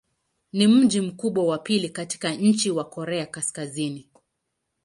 Ni mji mkubwa wa pili katika nchi wa Korea Kaskazini.